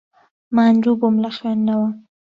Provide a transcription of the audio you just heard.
ماندوو بووم لە خوێندنەوە.